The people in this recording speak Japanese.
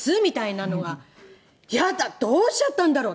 イヤだどうしちゃったんだろう？